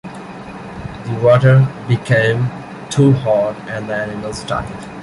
The water became too hot, and the animals died.